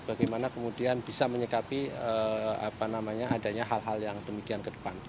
bagaimana kemudian bisa menyikapi adanya hal hal yang demikian ke depan